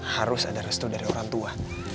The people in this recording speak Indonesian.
harus ada restu dari orang tua